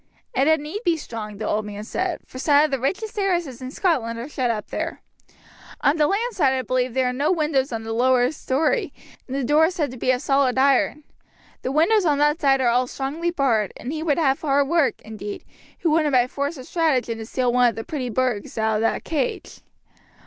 "It had need be strong," the old man said; "for some of the richest heiresses in Scotland are shut up there. On the land side I believe there are no windows on the lower storey, and the door is said to be of solid iron. The windows on that side are all strongly barred; and he would have hard work, indeed, who wanted by force or stratagem to steal one of the pretty birds out of that cage."